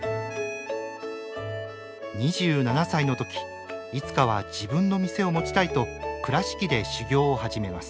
２７歳の時いつかは自分の店を持ちたいと倉敷で修行を始めます。